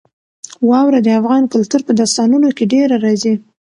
واوره د افغان کلتور په داستانونو کې ډېره راځي.